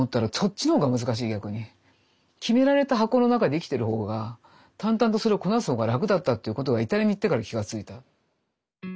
決められた箱の中で生きてる方が淡々とそれをこなす方が楽だったっていうことがイタリアに行ってから気が付いた。